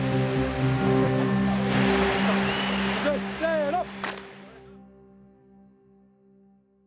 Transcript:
せの！